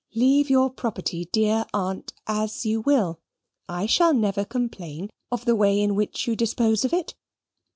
Leave your property, dear Aunt, as you will. I shall never complain of the way in which you dispose of it.